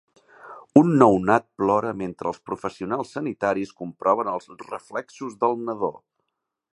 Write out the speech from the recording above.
Un nounat plora mentre els professionals sanitaris comproven els reflexos del nadó.